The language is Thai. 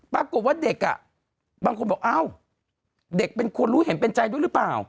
ปรากฏว่าเด็กอ่ะบางคนบอกอ้าวเด็กเป็นคนรู้เห็นเป็นใจด้วยหรือเปล่า